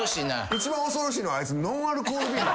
一番恐ろしいのはあいつノンアルコールビール。